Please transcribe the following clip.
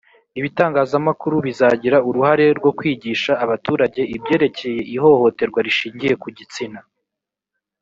ibitangazamakuru bizagira uruhare rwo kwigisha abaturage ibyerekeye ihohoterwa rishingiye ku gitsina